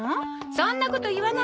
そんなこと言わないの。